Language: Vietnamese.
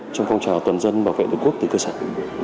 trong phong trào toàn dân bảo vệ đối quốc từ cơ sản